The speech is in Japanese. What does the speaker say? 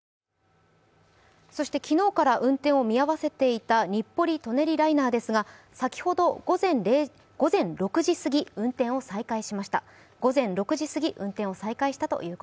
そして昨日から運転を見合わせていた日暮里・舎人ライナーですが、先ほど午前６時過ぎ、運転を再開しました。